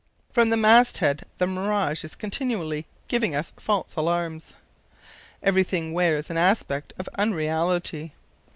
"From the mast head the mirage is continually giving us false alarms. Everything wears an aspect of unreality.